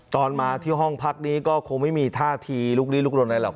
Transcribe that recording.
ตอนมาที่ห้องพักนี้ก็คงไม่มีท่าทีลุกลี้ลุกลนอะไรหรอก